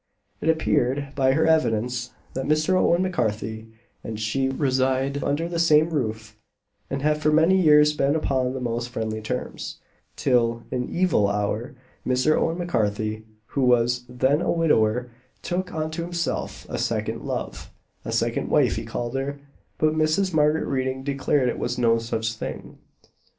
It appeared by her evidence that Mr. Owen M'Carthy and she reside under the same roof, and have for many years been upon the most friendly terms; till, in evil hour, Mr. Owen M'Carthy, who was then a widower, took unto himself a second love a second wife he called her; but Mrs. Margaret Reading declared it was no such thing.